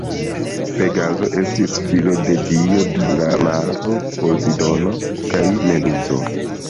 Pegazo estis filo de dio de la maro Pozidono kaj Meduzo.